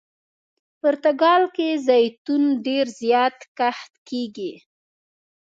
پرتګال کې زیتون ډېر زیات کښت کیږي.